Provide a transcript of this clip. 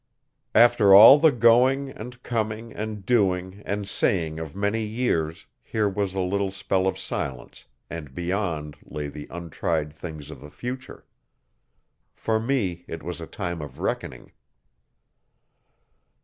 After all the going, and coming, and doing, and saying of many years here was a little spell of silence and beyond lay the untried things of the future. For me it was a time of reckoning.